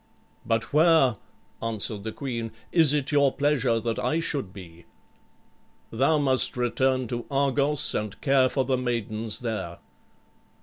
"But where," answered the queen, "is it your pleasure that I should be?" "Thou must return to Argos and care for the maidens there."